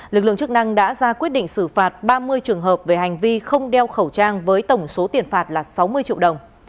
lực lượng chức năng đã ra quyết định xử phạt ba mươi trường hợp về hành vi không đeo khẩu trang với tổng số tiền phạt là sáu mươi triệu đồng